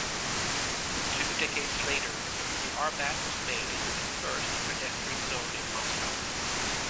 Two decades later the Arbat was made into the first pedestrian zone in Moscow.